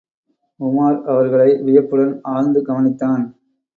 உமார் அவர்களை வியப்புடன் ஆழ்ந்து கவனித்தான்.